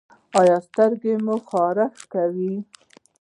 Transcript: ایا سترګې مو خارښ کوي؟